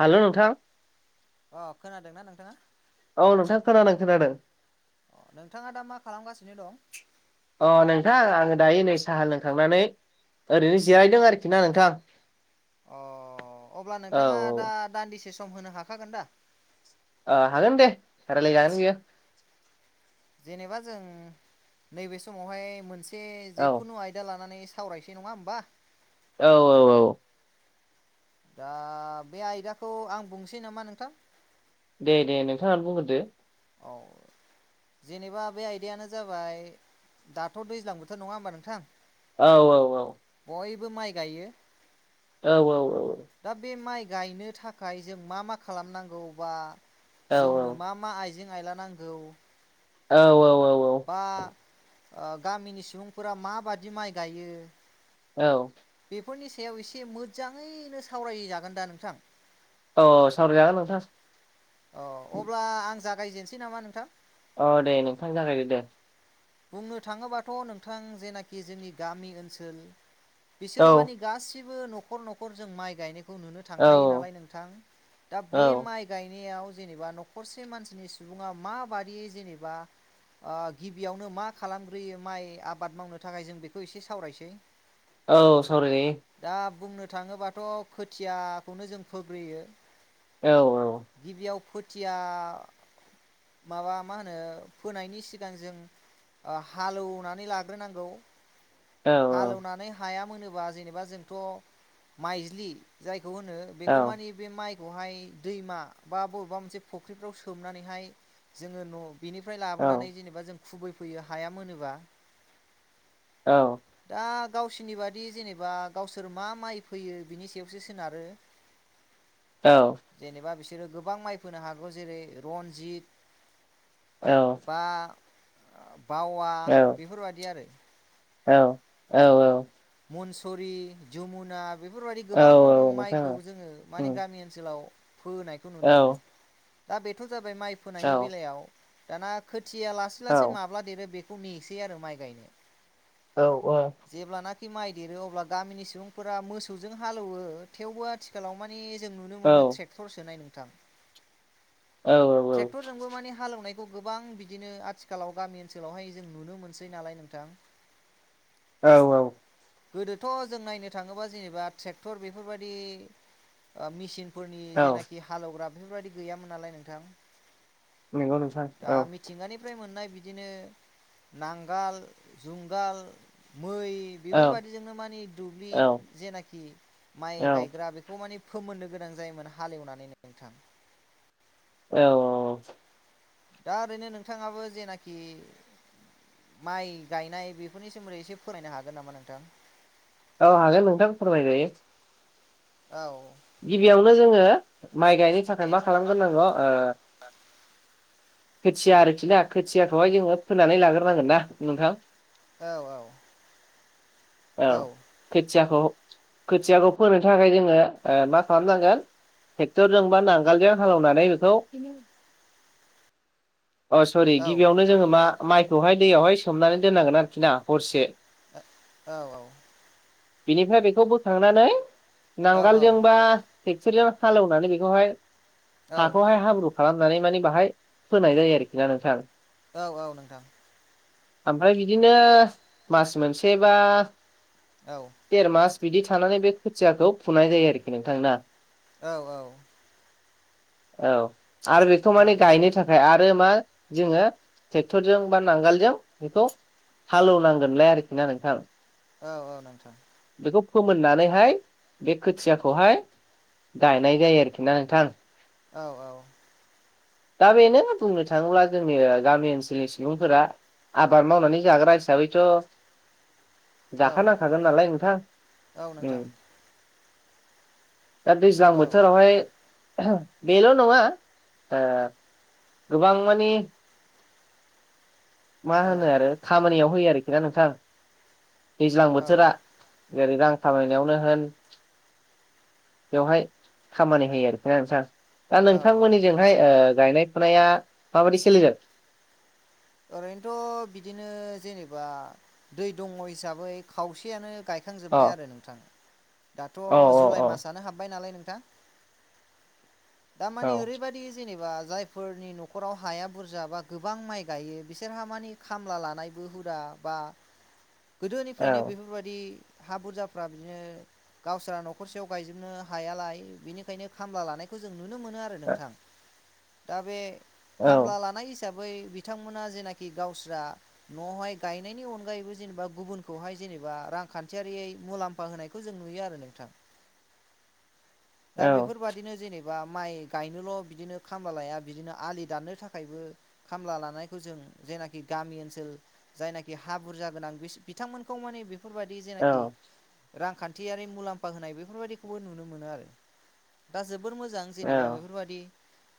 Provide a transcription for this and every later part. Hello नोंथां अ खोनादोंना नोंथाङा औ नोंथां खोनादों खोनादों अ नोंथाङा दा मा खालामगासिनो दं अ नोंथां आङो दायो नै साहा लोंखांनानै ओरैनो जिरायदों आरोखि ना नोंथां अ अब्ला औ नोंथाङा दा दान्दिसे सम होनो हाखागोन दा ओ हागोन दे रायलाय जागोन बियो जेनेबा जों नैबे समावहाय मोनसे औ जिखुनु आयदा लानानै सावरायसै नङा होमबा औ औ औ दा बे आयदाखौ आं बुंनोसै नामा नोंथां दे दे नोंथाङा बुंग्रोदो औ जेनेबा बे आइदायानो जाबाय दाथ दैज्लां बोथोर नङा होमबा नोंथां औ औ औ बयबो माइ गायो औ औ औ दा बे माइ गायनो थाखाय जों मा मा खालामनांगौ बा औ जोंनो मा मा आइजें आइला नांगौ औ औ औ औ बा ओ गामिनि सुबुंफोरा माबादि माइ गायो औ बेफोरनि सायाव एसे मोजाङैनो सावरायजागोन दा नोंथां औ सावराय जागोन नोंथां अ अब्ला आं जागायजेनसै नामा नोंथां अ दे नोंथां जागायदो दे बुंनो थाङोबाथ नोंथां जेनाखि जोंनि गामि ओनसोल औ बिसोर माने गासिबो नखर नखर जों माइ गायनाय खौ नुनो औ थांखायो नालाय नोंथां दा औ बे माइ गायनायाव जेनेबा नखरसे मानसिनि सुबुंआ मा बादियै जेनेबा ओ गि बियावनो मा खालामग्रोयो माइ आबाद मावनो थाखाय जों बेखो एसे सावरायसै औ सावरायजायो दा बुंनो थाङोबाथ खोथियाखौनो जों फोग्रोयो औ औ खोथिया माबा मा होनो फोनायनि सिगां जों हालेवनानै लाग्रो नांगौ औ हालेवनानै हाया मोनोबा जेनेबा जोंथ माइज्लि जायखौ होनो औ बेखौ माने बे माइ बेवहाय दैमा बा बबेबा मोनसे फुख्रिफ्राव सोमनानैहाय जोङो न' बिनिफ्राय औ लाबोनानै जेनेबा जों खुबैफैयो हाया मोनोबा दा गावसोरनि बादि जेनेबा गावसोर मा माइ फैयो बिनि सायावसो सोनारो जेनेबा बिसोरो गोबां माइ फोनो हागौ जेरै रनजित औ बा बावा औ औ बेफोरबायदि आरो औ औ औ मनसुरि जमुना बेफोरबायदि औ गोबां औ नोंथां औ माइखौ जोङो उम माने गामि ओनसोलाव फोनायखौ औ नुनो मोनो दा बेथ' जाबाय माइ औ फोनायनि बेलायाव दाना खोथ थिया औ लासै-लासै माब्ला देरो बेखौ नेसै आरो माइ गायनो। औ ओ। जेब्लानाखि माइ देरो अब्ला गामिनि सुबुंफोरा मोसौजों हालौवो थेवबो आथिखालाव मान [unintelligible] जों नुनो मोनो ट्रेक्टरसोनाय नोंथां। ट्रेक्टरजों बो मानि हालेवनाय खौ गोबां बिदिनो आथिखालाव गामि ओनसोलावहाय जों नुनो मोनसै नालाय नोंथां। औ-औ। गोदोथ' जों नायनो थाङोबा जेनेबा ट्रेक्टर बेफोरबायदि ओ मेचिन फोरनि औ जेनाखि हालेवग्रा बेफोरबायदि गैयामोन नालाय नोंथां। नोंगौ नोंथां दा औ। मिथिंगानिफ्राय मोननाय बिदिनो नांगाल जुंगाल मै औ बेफोरबायदिजोंनो मानि दुब्लि औ जेनाखि माइ गायग्रा बेखौ मानि फोमोननो गोनां जायोमोन हालेवनानै नोंथां। औ-औ-औ। दा ओरैनो नोंथाङाबो जेनाखि माइ गायनाय बेफोरनि सोमोन्दै एसे फोनायनो हागोन नामा नोंथां। औ हागोन नोंथां फोरमायजायो। औ। गिबियावनो जोङो माइ गायनो थाखाय मा खालामग्रोनांगौ ओ खोथिया आरोखि ना खोथियाखौहाय जोङो फोननानै लाग्रोनांगोन ना नोंथां। औ-औ। औ खोथियाखौ खोथियाखौ फोननो थाखाय जोङो मा खालामनांगोन ट्रेक्टरजों बा नांगोलजों हालेवनानै बेखौ [unintelligible] अ सरि औ गिबियावनो जोङो मा माइखौहाय दैयावहाय सोमनानै दोननांगोन आरोखि ना हरसे औ-औ। बिनिफ्राय बेखौ बोखांनानै नांगोलजोंबा औ टेक फोरजों हालेवनानै बेखौहाय औ हाखौहाय हाब्रु खालामनानै माने बाहाय फोनाय जायो। [unintelligible] नोंथां। औ-औ नोंथां। ओमफ्राय बिदिनो मास मोनसेबा औ देर मास बिदि थानानै बे खुथियाखौ फुनाय जायो आरोखि नोंथां ना। औ-औ। औ आरो बेखौ औ माने गायनो थाखाय आर आरो मा जोङो ट्रेक्टरजों बा नांगोलजों बेखौ हालौनांगोनलाय आरोखि ना नोंथां। औ-औ नोंथां। बेखौ फोमोननानै हाय बे खोथियाखौ हाय गायनाय जायो आरोखि ना नोंथां। औ-औ। दा बेनो बुंनो थाङोब्ला जोंनि गामि ओनसोलनि सुबुंफोरा आबाद मावनानै जाग्रा हिसाबैथ' औ जाखा नांखागोन नालाय नोंथां औ नोंथां उम। दा दैज्लां औ बोथोराव हाय बेल नङा ओ गोबां मानि मा औ होनो आरो खामानियाव होयो आरोखि ना नोंथां दैज्लां औ बोथोरा। जेरै रां खामायनायावनो होन बेवहाय खामानि होयो आरोखि ना नोंथां। दा औ नोंथांमोननि जोंहाय ओ गायनाय फुनाया माबादि सोलिदों। ओरैनोथ बिदिनो जेनेबा दै दङ हिसाबै खावसेयानो गायखां अ जोबबाय आरो नोंथां दाथ औ औ जुलाइ औ मासयानो हाबबाय नालाय नोंथां। दामानि ओरै बायदि जेनेबा जायफोरनि नखराव हाया बुरजा बा गोबां माइ गायो बिसोरहा मानि खामला लानायबो हुदा बा गोदोनिफ्रायनो औ बेफोर बायदि हा बुरजाफ्रा बिदिनो गावस्रा नखरसेयाव गायजोबनो हायालाय बेनिखायनो खामला लानायखौ जों नुनो मोनो आरो नोंथां दा बे औ खामला औ लानाय हिसाबै बि बिथांमोना जेनाखि गावस्रा नयाव हाय गायनायनि अनगायैबो जेनेबा गुबुनखौ हाय जेनेबा रां खान्थियारियै मुलाम्फा होनायखौ जों नुयो आरो नोंथां। दा औ बेफोर बायदिनो जेने बा माइ गायनोल बिदिनो खामला लाया बिदिनो आलि दाननो थाखायबो खामला ला नायखौ जों जेनाखि गामि ओनसोल जायनाखि हा बुरजा गोनां बिस बिथांमोनखौ माने बे बेफोरबादि औ जेनाखि रांखान्थियारि मुलाम्फा होनाय बेफोर बायदिखौबो नुनो मोनो आरो दा जो बोर मोजां जेनेबा औ बेफोरबादि।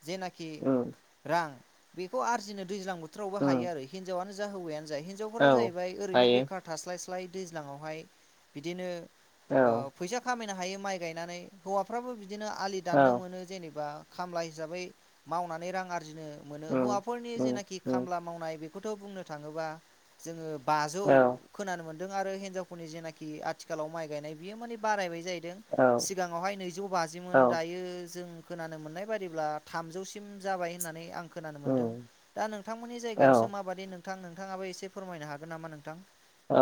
जेनाखि उम रां बेखौ आरजिनो दैज्लां बोथोरावबो हायो उम आरो हिनजावानो जा हौवायानो। जाय हिनजावफोरा औ जाहैबाय ओरैनो हायो बेखार थास्लाय स्लाय दैज्लाङाव हाय बिदिनो। ओ औ फैसा खामायनो हायो माइ गायनानै हौवाफ्राबो बिदिनो आलि दाननो औ मोनो जेनेबा। खामला हिसाबै मावनानै रां आरजिनो मोनो उम हौवाफोरनि उम जेनाखि उम खामला मावनाय बेखौथ बुंनो थाङोबा जोङो बाजौ औ खोनानो मोन आरो हिनजावफोरनि जेनाखि आथिखालाव माइ गायनाय बियो माने बारायबाय जाय औ सिगाङाव हाय नैजौ बाजिमोन दायो जों खोनानो मोननाय बादिब्ला थामजौसिम जाबाय होननानै आं खोनानो मोनदों। उम दा नोंथांमोननि औ जायगायावसो माबादि नोंथां नोंथाङाबो एसे फोरमायनो हागोन नामा नोंथां। ओ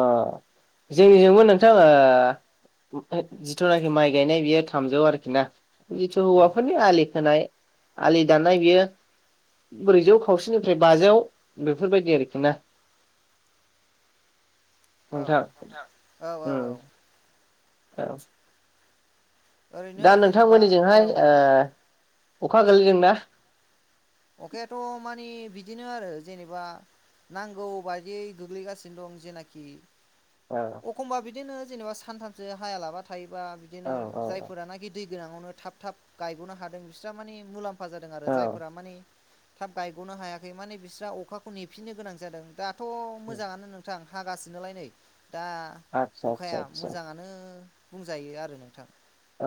जोंनि जोंबो नोंथां ओ। जिथुनाखि माइ गायनाय बेयो थामजौ आरोखि ना। जिथु औ हौवाफोरनि आलि खोनाय आलि दाननाय बेयो ब्रैजौ खावसेनिफ्राय बाजौ बेफोर बायदि आरोखि ना। औ नोंथां नोंथां औ उम औ। औ दा ओरैनो जेनेबा नोंथांमोननि जोंहाय औ ओ अखा गोलैदोंना। अखायाथ मानि बि बिदिनो आरो जेनेबा नांगौ बायदियै गोग्लैगासिनो दं जेनाखि औ एखमबा बिदिनो जेनेबा सानथामसो हायालाबा थायोबा बिदिनो औ औ जायफोर नाखि दै गोनाङावनो थाब थाब गायब'नो हादों बिस्रा माने मुलाम्फा जादों आरो जायफोरा माने थाब गायग'नो हायाखै माने बिस्रा अखाखौ नेफिननो गोनां जादों दाथ' औ मोजाङानो नोंथां हागासिनोलाय नै दा आदसा आदसा अखाया आदसा मोजाङानो बुंजायो आरो नोंथां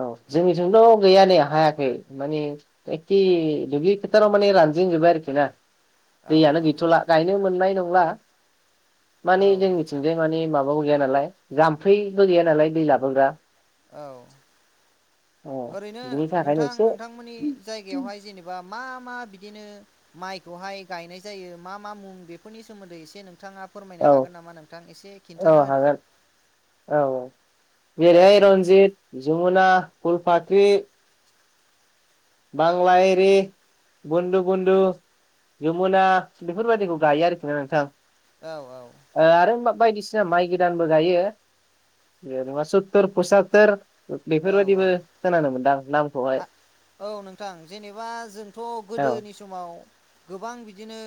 औ जोंनिथिमथ' गैया ने हायाखै माने एखे दुब्लि फोथाराव माने रानजेन जोब बाय आरोखि ना औ दैयानो गैथ'ला गायनो मोननाय नंला माने औ औ जोंनिथिंजाय माने माबा माबाबो गैया नालाय जाम्फैबो गैया नालाय दै लाबोग्रा औ अ ओरैनो बिनि थाखायनो नोंथां एसे नोंथांमोननि जायगायावहाय जेनेबा मा मा बिदिनो माइखौहाय गायनाय जायो मा मा मुं बेफोरनि सोमोन्दै एसे नोंथाङा फोरमायनो औ हागोन नामा नोंथां एसे औ खिन्थाना होदो हागोन औ औ औ बेराय दे रनजित जमुना फुल फाख्रि बांला एरि बुन्दु बुन्दु जमुना बेफोरबायदिखौ गायो आरोखि ना नोंथां औ औ आरो बायदिसिना बिदिनो माइ गोदानबो गायो जेनेबा सोतोर पसातोर औ औ बेफोरबायदिबो खोनानो मोनदां आ नामखौहाय। औ नोंथां जेनेबा जोंथ' औ गोदोनि समाव गोबां बिदिनो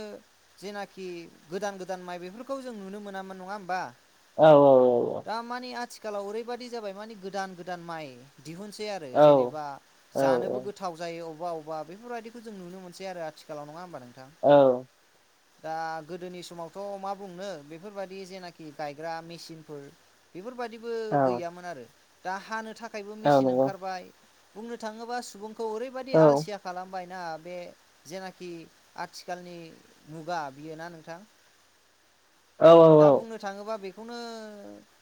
जेनाखि गोदान गोदान माइ बेफोरखौ जों नुनो मोनामोन नङा होमबा? औ औ औ औ दा माने आथिखालाव ओरैबायदि जाबाय माने गोदान गोदान माइ दिहुनसै आरो औ जेनेबा औ जानोबो गोथाव जायो अबेबा अबेबा बेफोरबायदिखौ जों नुनो मोनसै आरो आथिखालाव नङा होमबा नों औ दा गोदोनि समावथ' मा बुंनो बेफोरबायाददि जेनाखि गायग्रा मेसिनफोर बेफोरबायदि बो औ गैयामोन आरो दा हानो थाखायबो औ मेचिन नंगौ ओंखारबाय बुंनो थाङोबा सुबुं खौ ओरैबायदि औ आलसिया खालाम बायना बे जेनाखि आथिखालनि मुगा बियो ना नोंथां? औ दा औ बुंनो थाङोबा बे खौनो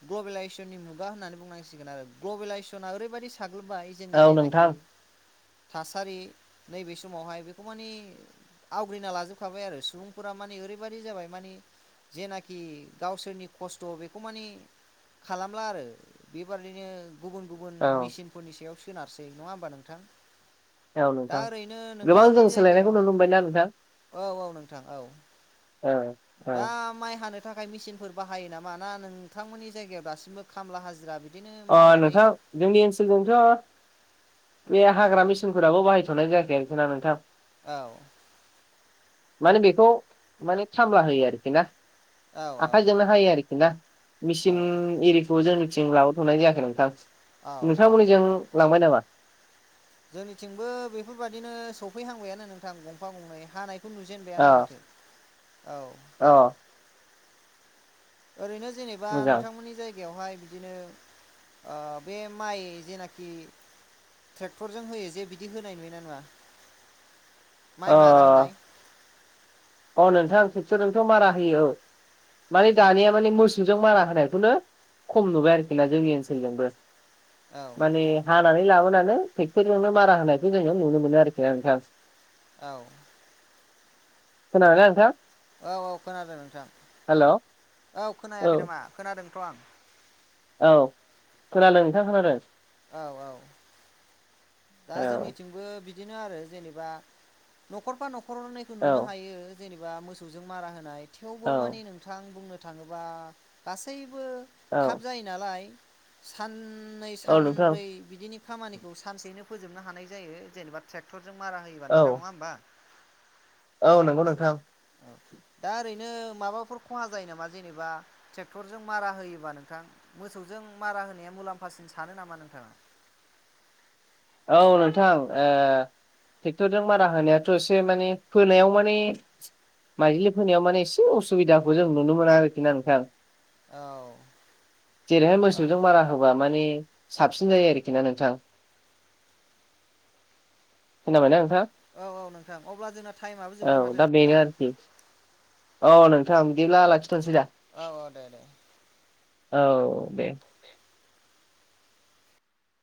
ग्ल'बेेलइजेसननि मुगा होन्नानै बुंनांसिगोन आरो ग्लबेलाइजेसना ओरैबायदि साग्लोबबाय जोंनि औ जेनाखि नोंथां थासारि नैबे समावहाय बेखौ माने आवग्रिना लाजोबखाबाय आरो सुबुंफोरा माने ओरैबायदि जाबाय मानि जेना खि गावसोरनि खस्थ' बेखौ मानि खालामला आरो बेबादिनो गुबुन गुबुन औ मेसिनफोरनि सायाव सोनारसै नङा होमबा नोंथां? औ दा नोंथां ओरैनो गोबां नोंथांमोननि जों सोलायनायखौ जायगायाव नुनो मोनबाय ना नोंथां? औ औ नोंथां औ। औ दा औ माइ हानो थाखाय मेचिनफोर बाहायो नामा ना नोंथांमोननि जायगायाव दासिमबो खामला हाजिरा बिदिनो अ मावनानै नोंथां जोंनि ओनसोलथिं थ बे हाग्रा मेसिनफोराबो बाहायथ'नाय जायाखै आरोखिना नोंथां। औ माने बेखौ माने खामला होयो आरोखि ना। औ औ आखाइजोंनो हायो आरोखि ना मिचिन एरिखौ जोंथिं लाबो थनाय जायाखै नोंथां औ औ नोंथांमोननिजों लांबाय नामा? जोंनिथिंबो बेफोरबायदिनो सफैहांबायानो नोंथां गंफा गंनै हानाय खौ नुजेनबायानो अ माथो औ। अ ओरैनो जेनेबा मोजां नोंथांमोननि जाय गायावहाय बिदिनो अ बे माइ जेनाखि ट्रेक्टरजों होयो जे बिदि होनाय नुयोना नुवा? अ माइ मारा होनाय। अ नोंथां ट्रेक्टर जोंथ' मारा होयो औ माने दानिया माने मोसौजों मारा होनायखौनो खम नुबाय आरोखि ना जोंनि ओनसोलजोंबो औ माने हानानै लाबोना नो ट्रेक्टर जोंनो मारा होनायखौ जों नुनो मोनो आरोखिना नोंथां। औ खोनादों ना नोंथां? औ औ खोनादों नोंथां हेल' औ औ खोनायाखै नामा खोनादोंथ' आं। औ खोनादों नोंथां खोनादों। औ औ दा औ जोंनिथिंबो बि बिदिनो आरो जेनेबा न'खरफा न'खरनैखौ औ नुनो हायो जेनेबा मोसौजों मारा होनाय थेवबो औ माने नोंथां बुंनो थाङोबा गासै बो औ थाब जायो नालाय साननै औ नोंथां सब्रै बिदिनि खामानिखौ सानसेयैनो फोजोबनो हानाय जायो जेनेबा ट्रेक्टरजों मारा होयोबा औ नोंथां नङा होमबा? औ नंगौ नोंथां। [inaudible] दा ओरैनो माबाफोर खहा जायो नामा जेनेबा ट्रेक्टरजों मारा होयोबा नोंथां मोसौजों जों मारा होनाया मुलाम्फासिन सानो नामा नोंथाङा? औ नोंथां ए ट्रेक्टरजों मारा होनायाथ' एसे माने फोनायाव माने माइजिलि फोनायाव माने एसे असुबिदाखौ जों नुनो मोनो आरोखि ना नोंथां। औ जेरैहाय औ मोसौजों मारा होबा माने साबसिन जायो आरोखि ना नोंथां खाबायना नोंथां। औ औ नोंथां अब्ला जोंना टाइमआबो जोब्बाय औ माथो दा नोंथां। बेनो आरोखि औ नोंथांं बिदिला ला औ दे दे। औ दे